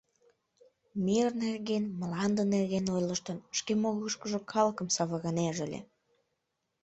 - Мир нерген, мланде нерген ойлыштын, шке могырышкыжо калыкым савырынеже ыле.